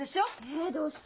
えどうして？